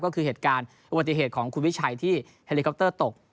ก็คือเหตุการณ์อุบัติเหตุของคุณวิชัยที่เฮลิคอปเตอร์ตก